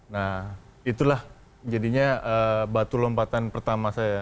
nah itulah jadinya batu lompatan pertama saya